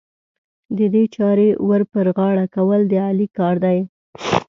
د دې چارې ور پر غاړه کول، د علي کار دی.